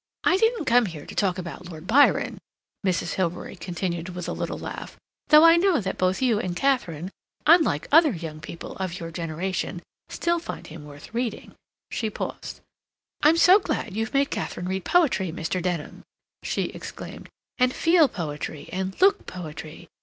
"I didn't come here to talk about Lord Byron," Mrs. Hilbery continued, with a little laugh, "though I know that both you and Katharine, unlike other young people of your generation, still find him worth reading." She paused. "I'm so glad you've made Katharine read poetry, Mr. Denham!" she exclaimed, "and feel poetry, and look poetry!